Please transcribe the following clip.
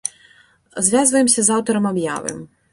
Звязваемся з аўтарам аб'явы.